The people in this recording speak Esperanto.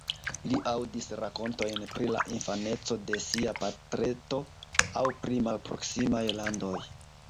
Li aŭdis rakontojn pri la infaneco de sia patreto aŭ pri malproksimaj landoj.